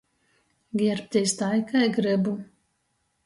Gierbtīs tai, kai grybu.